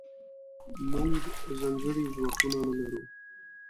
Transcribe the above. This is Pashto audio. موږځنکړي ځواکونه نلرو